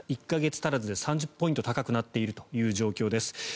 １か月足らずで３０ポイント高くなっている状況です。